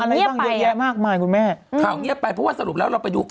อะไรบ้างเยอะแยะมากมายคุณแม่ข่าวเงียบไปเพราะว่าสรุปแล้วเราไปดู